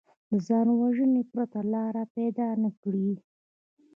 له ځانوژنې پرته لاره پیدا نه کړي